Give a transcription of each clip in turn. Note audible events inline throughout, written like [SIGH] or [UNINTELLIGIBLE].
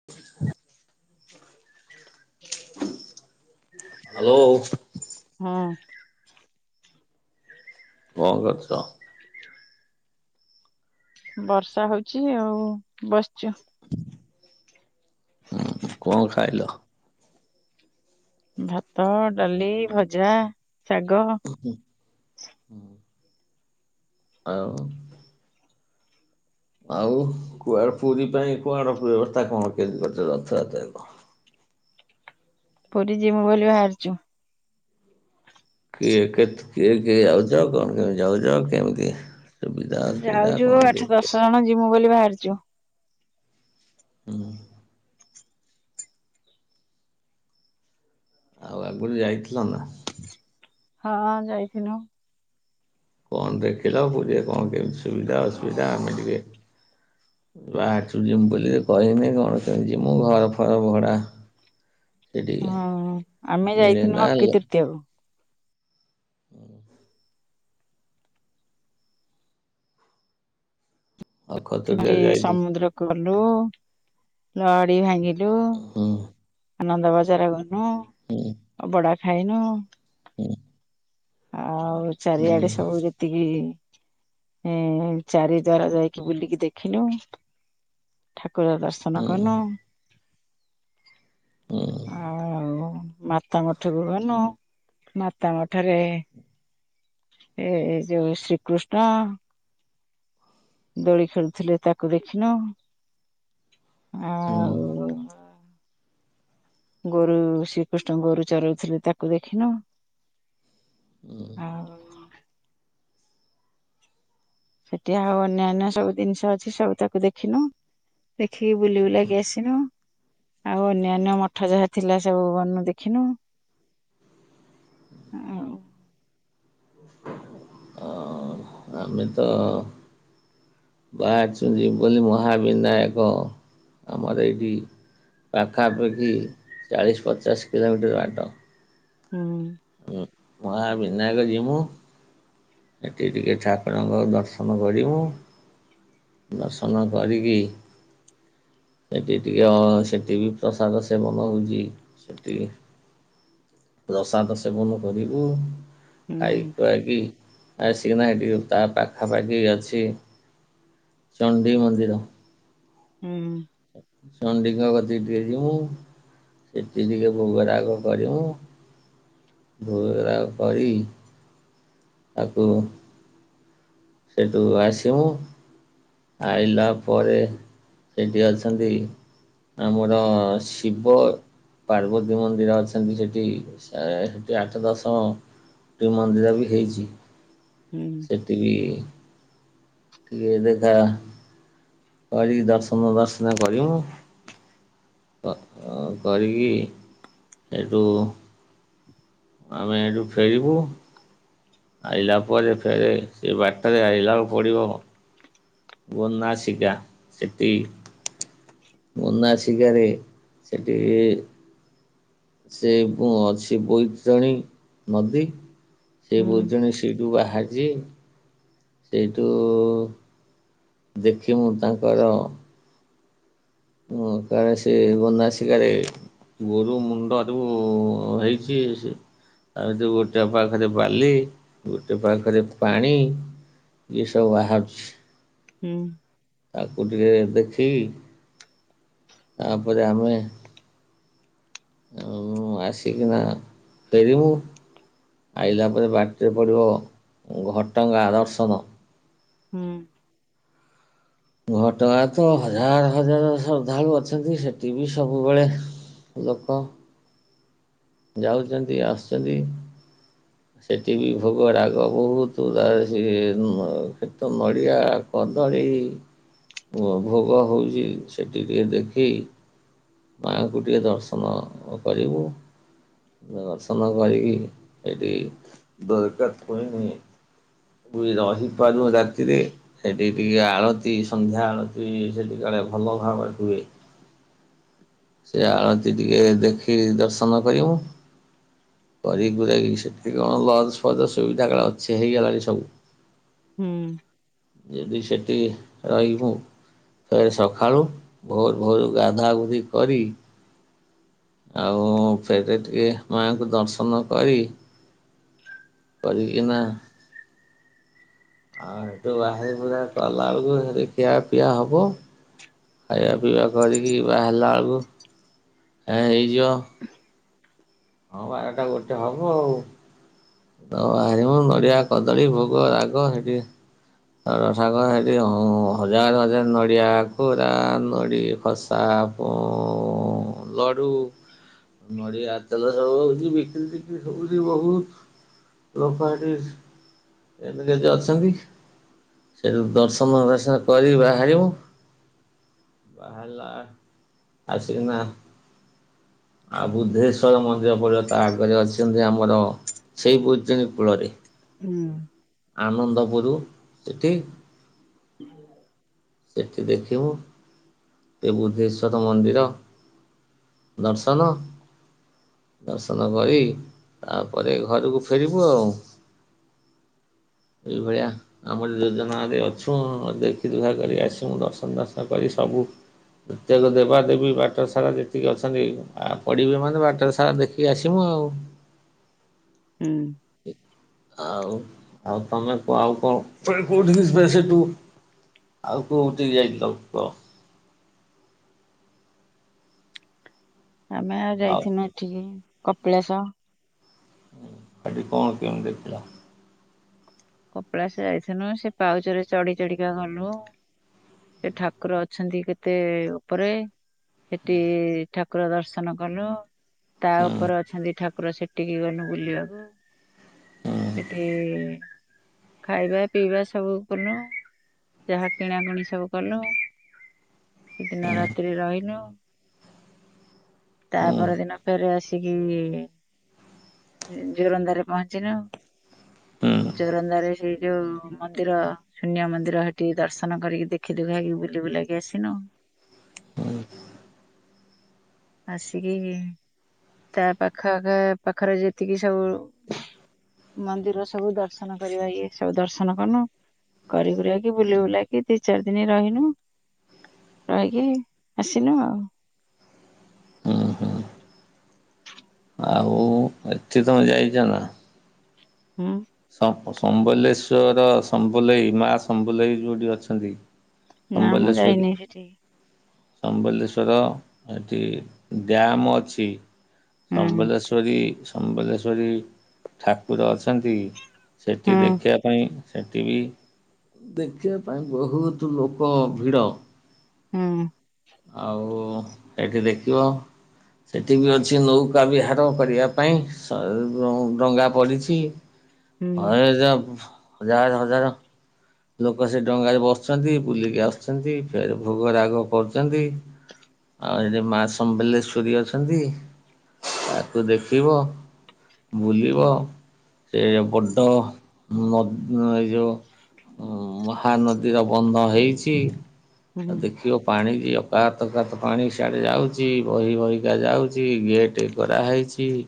[UNINTELLIGIBLE] Hello ହୁଁ। କଣ କରୁଛ? ବର୍ଷା ହଉଛି ଆଉ ବସିଛୁ। ହୁଁ କଣ ଖାଇଲ? ଭାତ ଡାଲି ଭଜା ଶାଗ। ହୁଁ। ଆଉ। ଆଉ କୁଆଡେ ପୁରୀ ପାଇଁ କଣ ବ୍ୟବସ୍ଥା କଣ କେମିତି କରିଛେ ରଥଯାତ୍ରର? ପୁରୀ ଯିମୁ ବୋଲି ବାହାରିଛୁ। କିଏ କେତେ କିଏ କିଏ ଯାଉଛ କଣ କେମତି ଯାଉଛ କେମିତି? ସୁବିଧା ଅସୁବିଧା ଯାଉଛୁ କଣ ଟିକେ ଆଠ କୁହ? ଦଶ ଜଣ ଯିମୁ ବୋଲି ବାହାରିଛୁ। ହଁ। ଆଉ ଆଗରୁ ଯାଇଥିଲ ନା? ହଁ ଯାଇଥିନୁ। କଣ ଦେଖିଲ ପୁରୀରେ କଣ କେମିତି ସୁବିଧା ଅସୁବିଧା ଆମେ ଟିକେ ବାହାରିଛୁ ଜୀମୁ ବୋଲି କହିନି କଣ କେମିତି ଯୀମୁ ଘର ଫର ଭଡା। ସେଠିକି ହଁ ଆମେ ମିଳେ ଯାଇଥିଲୁ ନା ଆକ୍ଷି ତୃତୀୟକୁ। ହୁଁ। ଅକ୍ଷୟ ତୃତୀୟା ଥରେ ଯାଇଥିଲି ସମୁଦ୍ର ଗଲୁ ଲହଡି ଭାଙ୍ଗିଲୁ। ହୁଁ। ଆନନ୍ଦ ବଜାର ଗଲୁ। [UNINTELLIGIBLE] ଅଭଡ଼ା ଖାଇନୁ। [UNINTELLIGIBLE] [UNINTELLIGIBLE] ଆଉ ହୁଁ। ଚାରିଆଡେ ସବୁ ଯେତିକି ହୁଁ, ଚାରିଦ୍ୱାର ଯାଇକି ବୁଲିକି ଦେଖିଲୁ। ଠାକୁର ଦର୍ଶନ କଲୁ। ହୁଁ ଆଉ ମାତାମଠକୁ ଗଲୁ ମାତାମଠରେ ଏ ଯୋଉ ଶ୍ରୀକୃଷ୍ଣ। ଦୋଳି ଖେଳୁଥିଲେ ତାକୁ ଦେଖିଲୁ। ହୁଁ ଆଉ ଗୋରୁ ଶ୍ରୀକୃଷ୍ଣ ଗୋରୁ ଚରଉଥିଲେ ତାକୁ ଦେଖିଲୁ। ଆଉ ସେଠି ଆଉ ଅନ୍ୟାନ୍ୟ ସବୁ ଜିନିଷ ଅଛି ସବୁ ତାକୁ ଦେଖିନୁ। ଦେଖିକି ବୁଲି ବୁଲାକି ଆସିଲୁ। ଆଉ ଅନ୍ୟାନ୍ୟ ମଠ ଯାହା ଥିଲା ସବୁ ବନୁ ଦେଖିଲୁ। ଆଉ ଆଉ ଆମେ ତ ବାହାରିଚୁ ଯିବୁ ବୋଲି ମହାବିନାୟକ ଆମର ଏଇଠି ପାଖାପାଖି ଚାଳିଶ ପଚାଶ କିଲୋମିଟର ବାଟ। ହଁ। ଉ ମହା ବିନାୟକ ଯିବୁ। ସେଠି ଟିକେ ଠାକୁରଙ୍କୁ ଦର୍ଶନ କରିବୁ। ଦର୍ଶନ କରିକି ସେଠି ଟିକେ ଅ ସେଠି ବିି ପ୍ରସାଦ ସେବନ ହଉଚି ସେତିକି ପ୍ରସାଦ ସେବନ କରିବୁ ହୁଁ ଖାଇ ଖୁଆଇ କି ଆସିନା ଏଠି ତା ପାଖାପାଖି ଅଛି [UNINTELLIGIBLE] ଚଣ୍ଡୀମନ୍ଦିର। ହୁଁ। ଚଣ୍ଡୀଙ୍କ କତିକି ଟିକେ ଯିବୁ ସେଠି ଟିକେ ଭୋଗରାଗ କରିବୁ ଭୋଗରାଗ କରି ତାକୁ ସେଇଠୁ ଆସିବୁ ଆଇଲା ପରେ ସେଇଠି ଅଛନ୍ତି ଆମର ଶିବ। ପାର୍ବତୀ ମନ୍ଦିର ଅଛନ୍ତି ସେଠି ସେ ଆଠ ଦଶମ ଟି ମନ୍ଦିର ବି ହେଇଛି। ହୁଁ ଏତିକି [UNINTELLIGIBLE] ଟିକେ ଦେଖା କରି ଦର୍ଶନ ଦର୍ଶନ କରିବୁ ଦର୍ଶନ କରିକି ସେଇଠୁ ଆମେ ଏଇଠୁ ଫେରିବୁ ଆଇଲା ପରେ ଫେରେ ସେ ବାଟରେ ଆଇଲାକୁ ପଡିବ ବନାଶିକା ସେଠି ଗୋନାସିକାରେ ସେଠି ସେ କଣ ଅଛି ବୈତରଣୀ ନଦୀ। ସେ ହୁଁ ବୈତରଣୀ ସେଇଠୁ ବାହାରିଚି। ସେଇଠୁ ଦେଖି ମୁଁ ତାଙ୍କର ହୁଁ କାଳେ ସେ ଗୋନାସିକାରେ ଗୋରୁ ମୁଣ୍ଡ ସବୁ ହେଇଛି ସେ ଆଉ ଯୋଉ ଗୋଟେ ପାଖରେ ବାଲି ଗୋଟେ ପାଖରେ ପାଣି ଏସବୁ ବାହାରୁଛି। ହୁଁ। ତାକୁ ଟିକେ ଦେଖିକି ତାପରେ ଆମେ ଆଉ ଆସିକିନା ଫେରି ମୁଁ ଆଇଲା ପରେ ବାଟିରେ ପଡ଼ିବ ଘଟଗାଁ ଦର୍ଶନ ହୁଁ ଘଟଗାଁରେ ତ ହଜାର ହଜାର ଶ୍ରଦ୍ଧାଳୁ ଅଛନ୍ତି। ସେଠି ବି ସବୁବେଳେ ଲୋକ ଯାଉଚନ୍ତି ଆସୁଛନ୍ତି। ସେଠି ବି ଭୋଗ ରାଗ ବହୁତ ତାର ସିଏ ସେଠି ତ ନଡ଼ିଆ କଦଳୀ ଭୋ ଭୋଗ ହେଉଚି। ସେଠି ଟିକିଏ ଦେଖି ମାଆଙ୍କୁ ଟିକେ ଦର୍ଶନ ଅଁ କରିବୁ। ଦର୍ଶନ କରିକି ଏଠି [UNINTELLIGIBLE] ପୁଣି ରହିପାରୁ ରାତିରେ। ସେଠି ଟିକେ ଆଳତି ସନ୍ଧ୍ୟା ଆଳତି ସେଠି କାଳେ ଭଲ ଭାବରେ ହୁଏ। ସେ ଆଳତି ଟିକେ ଦେଖି ଦର୍ଶନ କରି ମୁଁ। କରି କୁରାକି ସେଠି କଣ ଲଜ୍ ଫଜ୍ ସୁବିଧା କାଳେ ଅଛି ହେଇଗଲାଣି ସବୁ। ହୁଁ ଯଦି ସେଠି ରହିବୁ। ଥରେ ସକାଳୁ ଭୋର୍ ଭୋରୁ ଗାଧା ଗୁଧି କରି ଆଉ ଫେରେ ଟିକେ ମାଙ୍କୁ ଦର୍ଶନ କରି କରିକିନା ଆଁ ହେଠୁ ବାହାରି ବୁହୁରା କଲା ବେଳକୁ ସେଠି ଖିଆ ପିଆ ହବ। ଖାଇବା ପିଇବା କରିକି ବାହାରିଲା ବେଳକୁ ଏ ହେଇଯିବ। ହଁ ପା ଏଟା ଗୋଟେ ହେବ ଆଉ। ତମେ ବାହାରିବ ଆଉ ନଡ଼ିଆ କଦଳୀ ଭୋଗ ରାଗ ସେଠି ଆଉ ସାଙ୍ଗ ମାନେ ହେଠି ହଜାର ହଜାର ନଡ଼ିଆ କୋରା ନଡ଼ିଆ ଖସ୍ ତାପ ଅଁ ଲଡ଼ୁ ନଡ଼ିଆ ତେଲ ସବୁବେଳେ ହେଉଚି ବିକ୍ରିି ଫିକି ସବୁ ବହୁତ ଲୋକ ହେଠି ଏନଗେଜ ଅଛନ୍ତି। ସେଠୁ ଦର୍ଶନ ଦର୍ଶା କରି ବାହାରିବୁ। ବାହାରିଲା ଆସିକିନା ଆଉ ବୁଦ୍ଧେଶ୍ୱର ମନ୍ଦିର ପଡ଼ିବ ତା ଆଗରେ ଅଛନ୍ତି ଆମର ସେଇ ବୈତରଣୀ କୂଳରେ। ହୁଁ ଆନନ୍ଦପୁର ସେଠି ସେଠି ଦେଖିବୁ ଏ ବୁଦ୍ଧେଶ୍ଵରମନ୍ଦିର। ଦର୍ଶନ ଦର୍ଶନ କରି ତାପରେ ଘରକୁ ଫେରିବୁ ଆଉ ଏଇ ଭଳିଆ ଆମର ଯୋଜନାରେ ଅଛୁ ଦେଖି ଦେୁଖା କରି ଆସଛୁ ଦର୍ଶନ ଫର୍ଶନ କରି ସବୁ ପ୍ରତ୍ୟେକ ଦେବା ଦେବୀ ବାଟ ସାରା ଯେତିକି ଅଛନ୍ତି ଆଉ ପଡିବ ମାନେ ବାଟରେ ସାରା ଦେଖିକି ଆସିବୁ ଆଉ ହୁଁ ଆଉ ଆଉ ତମେ କ ଆଉ କଣ କୋଉଠି ଯିବେ ସେଠୁ ଆଉ କୋଉ ଠିକି ଯାଇଥିଲ କୁହ ଆମେ ଆଉ ଯାଇଥିଲୁ ଏଠିକି କପିଳାଶ ସେଠି କଣ କେମିତି ଦେଖିଲ କପଳାଶ ସେ ଯାଇଥିଲୁ ସେ ପାହାଚ ରେ ଚଢି ଚଢିକା ଗଲୁ ସେ ଠାକୁର ଅଛନ୍ତି କେତେ ଉପରେ ସେଠି ଠାକୁର ଠାକୁର ଦର୍ଶନ କଲୁ ତା ହୁଁ ଉପରେ ଅଛନ୍ତି ଠାକୁର ସେଠିକି ଗଲୁ ବୁଲିବାକୁ ହୁଁ ସେଠି ଖାଇବା ପିଇବା ସବୁ କଲୁ ଯାହା କିଣାକିଣି ସବୁ କଲୁ ସେଦିନ ରାତିରେ ରହିଲୁ ତା ହୁଁ ପର ଦିନ ଫେର ଆସି ଆସିକି ଜୋରନ୍ଦାରେ ପହଞ୍ଚିିଲୁ ହୁଁ ଜୋରନ୍ଦାରେ ହେଇ ଯୋଉ ମନ୍ଦିର ଶୂନ୍ୟ ମନ୍ଦିର ସେଠି ଦର୍ଶନ କରିକି ଦେଖି ଦୁଖାକି ବୁଲି ବୁଲାକି ଆସିନୁ ହୁଁ ଆସିକି ତା ପାଖ ଆଖ ପାଖରେ ଯେତିକି ସବୁ ମନ୍ଦିର ସବୁ ଦର୍ଶନ କରିବା ଇଏ ସବୁ ଦର୍ଶନ କଲୁ କରି କୁରାକି ବୁଲି ବୁଲାକି ଦି ଚାରି ଦିନ ରହିନୁ ରହିକି ଆସିଲୁ ଆଉ ହୁଁ ହୁଁ ଆଉ ଏଠି ତମେ ଯାଇଛ ନା? ହୁଁ। ସମ୍ବଲେଶ୍ଵର ସମ୍ବଲେଇ ମା ସମ୍ବଲେଇ ଯୋଉଠି ଅଛନ୍ତି। ନା ମୁଁ ସମ୍ବଲେଶ୍ଵରୀ। ଯାଇନି ସେଠି ସମ୍ବଲେଶ୍ୱର ସେଠି ଡ୍ୟାମ୍ ଅଛି। ହୁଁ ସମ୍ବଲେଶ୍ଵରୀ ସମ୍ବଲେଶ୍ଵରୀ ଠାକୁର ଅଛନ୍ତି। ସେଠି ହୁଁ ଦେଖିବା ପାଇଁ ସେଠି ବି ଦେଖିବା ପାଇଁ ବହୁତ ଲୋକ ଭିଡ଼। ହୁଁ। ଆଉ ଏଠି ଦେଖିବ ସେଠି ବି ଅଛି ନୌକା ବିହାର କରିବା ପାଇଁ ସ ଡଙ୍ଗା ପଡ଼ିଛି। [UNINTELLIGIBLE] ହଜାର ହଜାର ଲୋକ ସେ ଡଙ୍ଗାରେ ବସିଛନ୍ତି ବୁଲିକି ଆସୁଛନ୍ତି ଫେରେ ଭୋଗ ରାଗ କରୁଛନ୍ତି। [INAUDIBLE] ଆଉ ଏଠି ମା ସମ୍ବଲେଶ୍ଵରୀ ଅଛନ୍ତି, ତାକୁ ଦେଖିବ। ବୁଲିବ ସେ ବଡ଼ ନ ଏଇ ଯୋଉ ଉ ମହାନଦୀର ବନ୍ଧ ହେଇଛି ଆଉ ହୁଁ ଦେଖିବ ପାଣି ବି ଅକାତ ଅକାତ ପାଣି ସିଆଡେ ଯାଉଛି, ବହି ବହିକା ଯାଉଛି ଗେଟ୍ କରା ହେଇଛି। ଚି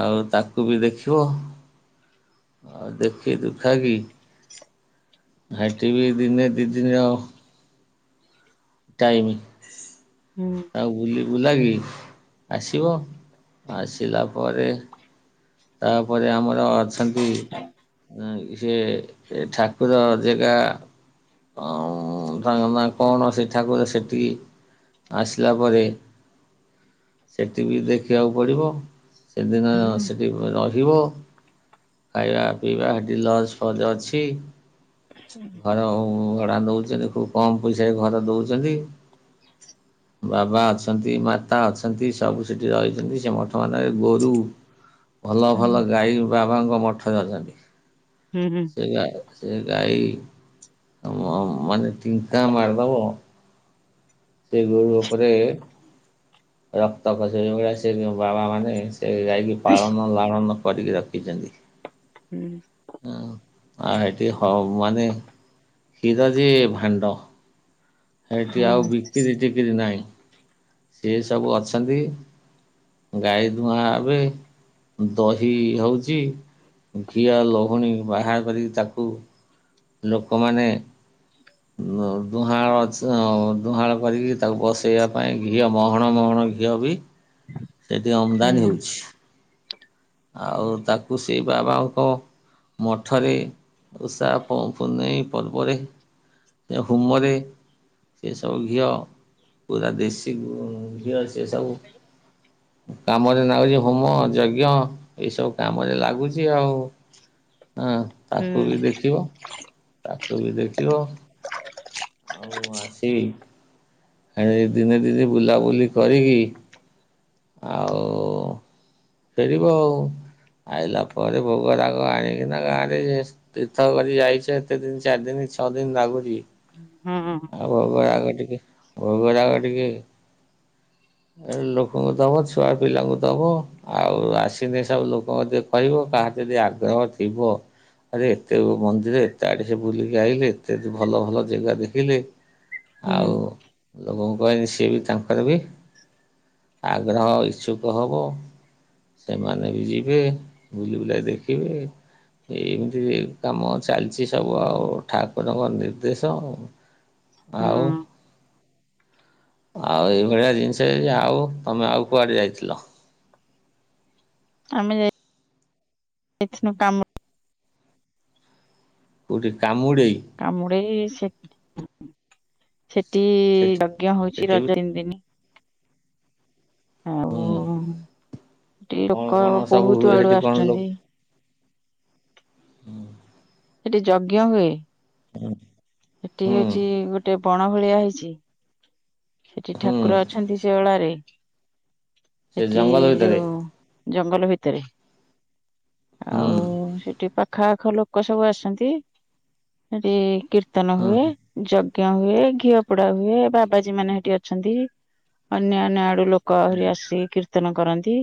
ଆଉ ତାକୁ ବି ଦେଖିବ। ଆଉ ଦେଖି ଦୁଖା କି ହେଁଟିଭି ଦିନେ ଦିଇ ଦିନ ଆଉଁ। ଟାଇମି। ହୁଁ। ତାକୁ ବୁଲି ବୁଲାକି ଆସିବ। ଆସିଲା ପରେ ତାପରେ ଆମର ଅଛନ୍ତି ନୁହଁ କି ସିଏ ଠାକୁର ଜେଗା। ଅଁ ଅଁ ଅଁ ତାଙ୍କ ନାଁ କଣ ସେ ଠାକୁର ସେଠିଁ? ଆସିଲା ପରେ ସେଠିବି ଦେଖିବାକୁ ପଡ଼ିବ। ହୁଁ ସେଦିନ ହୁଁ ସେଠି ବି ରହିବ। ଖାଇବା ପିଇବା ହେଟି ଲଜ ଫଜ୍ ଅଛି। ଘରଓଁ ଉଁ ଭଡା ନଉଛନ୍ତି। ଖୁବ୍ କମ ପଇସା ଘର ଦଉଛନ୍ତି। ବାବା ଅଛନ୍ତି ମାତା ଅଛନ୍ତି ସବୁ ସେଠି ରହିଛନ୍ତି। ସେ ମଠ ମାନଙ୍କରେ ଗୋରୁ ଭଲ ଭଲ ହୁଁ ଗାଈ ବାବାଙ୍କ ମଠରେ ଅଛନ୍ତି। ହୁଁ ହୁଁ। ଆଜ୍ଞା ଆଜ୍ଞା ସେ ଗାଈ ମଁ ମାନେ ତିନିଟା ମାରିଦବ ସେ ଗୋରୁ ଉପରେ ରକ୍ତ ଖସିଲା ଯୋଉଁଭଳିଆ ସେ ଯେଉଁ ବାବାମାନେ ସେ ଗାଈକି ହଇସ୍ ପାଳନ ଲାଳନ କରିକି ରଖିଛନ୍ତି। ହୁଁ। ଆଉ ହଁ ହେଟି ହମ୍ସ ମାନେ ହୀର ଯେ ଭାଣ୍ଡ। ହେଇଟି ହୁଁ ଆଉ ବିକିରି ଟିକିରି ନାହିଁ। ସେ ସବୁ ଅଛନ୍ତି ଗାଈ ଦୁଆଁ ହେବେ। ଦହି ହଉଛି। ଘିଅ ଲହୁଣୀ ବାହାର କରିକି ତାକୁ ଲୋକମାନେ ଉଁ ଦୁହାଳ ଅଛି ଦୁହାଁଳ କରିକି ତାକୁ ବସେଇବା ପାଇଁ ଘିଅ ମହଣ ମହଣ ଘିଅ ବି ସେଠି ହୁଁ ଆମଦାନୀ ହଉଛି। ଆଉ ତାକୁ ସେଇ ବାବାଙ୍କ ମଠରେ ଓଷା ପ୍ ପୁନେଇ ପର୍ବରେ ଯେ ହୋମରେ ସେ ସବୁ ଘିଅ ପୁରା ଦେଶି କି ଘୁଅ ଘିଅ ସେ ସବୁ। କାମରେ ଲାଗୁଛି ହୋମ ଯଜ୍ଞ ଏଇ ସବୁ କାମରେ ଲାଗୁଛି ଆଉ। ହଁ ହୁଁ ତାକୁ ବି ଦେଖିବ। ତାକୁ ବି ଦେଖିବ। ମୁଁ ଆସିବି ଦିନେ ଦି ଦିନ ବୁଲାବୁଲି କରିକି। ଆଉ ଫେରିବ ଆଉ। ଆଇଲା ପରେ ଭୋଗ ରାଗ ଆଣିକିନା ଗାଁରେ। ତୀର୍ଥ କରି ଯାଇଛେ ଏତେ ଦିନ ଚାରି ଦିନ ଛଅ ଦିନ ଲାଗୁଛି। ହୁଁ ଆଉ ଭୋଗ ରାଗ ଟିକେ ଭୋଗ ରାଗ ଟିକେ। ଏ ଲୋକଙ୍କୁ ଦବ। ଛୁଆ ପିଲାଙ୍କୁ ଦବ। ଆଉ ଆସିଲେ ସବୁ ଲୋକ ମଧ୍ୟ କହିବ କାହାର ଯଦି ଆଗ୍ରହ ଥିବ। ଆରେ ଏତେ ମନ୍ଦିର। ଏତେ ଆଡ଼େ ସେ ବୁଲିକି ଆଇଲେ। ଏତେ ଏତେ ଭଲ ଭଲ ଜାଗା ଦେଖିଲେ। ହୁଁ ଆଉଁ। ଲୋକଙ୍କୁ କହିଲେ ସିଏ ବି ତାଙ୍କର ବି ଆଗ୍ରହ ଇଚ୍ଛୁକ ହବ। ସେମାନେ ବି ଯିବେ ବୁଲି ବୁଲାକି ଦେଖିବେ। ଏଇମିତି କାମ ଚାଲିଛି ସବୁ ଆଉ ଠାକୁରଙ୍କ ନିର୍ଦ୍ଦେଶ। ଆଉଁ। ହୁଁ ଆଉ ଏଇଭଳିଆ ଜିନିଷ, ଆଉ ତମେ ଆଉ କୁଆଡ଼େ ଯାଇଥିଲ? ଆମେ ଯାଇ ଥିନୁ କାମ କୋଉଠି କାମୁଡ଼େଇ? କାମୁଡେଇ ସେ ସେଠି ସେଠି ଯଜ୍ଞ ହଉଛି ସେଠି ବି ରଜ ତିନି ଦିନି। ହୁଁ ଆଉ ଟି କଣ ଲୋକ କଣ ସବୁ ବହୁତ ହୁଏ ଆଡୁ ସେଠି କଣ ଆସୁଛନ୍ତି। ହୁଁ। ସେଠି ଯଜ୍ଞ ହୁଏ। ଉଁ। ସେଠି ହଉଛି ଗୋଟେ ବଣ ଭଳିଆ ହେଇଛି। ସେଠି ହୁଁ ଠାକୁର ଅଛନ୍ତି ସେ ଓଳାରେ, ସେ ସେଠି ଜଙ୍ଗଲ ଭିତରେ ଯୋଉ ଜଙ୍ଗଲ ଭିତରେ ହୁଁ ଆଉ ସେଠି ପାଖ ପାଖ ଲୋକ ସବୁ ଆସନ୍ତି, ସେଠି କୀର୍ତ୍ତନ ହୁଁ ହୁଏ। ଯ ଜ୍ଞ ହୁଏ। ଘିଅ ପୋଡା ହୁଏ। ବାବାଜୀ ମାନେ ସେଠି ଅଛନ୍ତି। ଅନ୍ୟ ଅନ୍ୟ ଆଡୁ ଲୋ କ ହୁଁ ଆହୁରି ଆସି କୀର୍ତ୍ତନ କରନ୍ତି।